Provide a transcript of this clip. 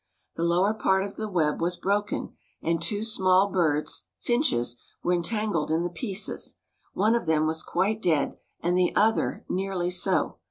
The lower part of the web was broken, and two small birds, finches, were entangled in the pieces. One of them was quite dead, and the other nearly so.